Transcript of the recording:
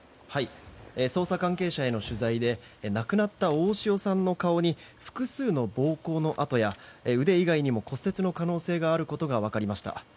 捜査関係者への取材で亡くなった大塩さんの顔に複数の暴行の痕や腕以外にも骨折の可能性があることが分かりました。